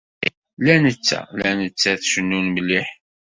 La netta, la nettat cennun mliḥ.